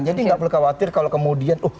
jadi gak perlu khawatir kalau kemudian